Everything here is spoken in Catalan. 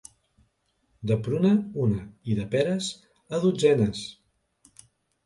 De pruna, una, i de peres, a dotzenes.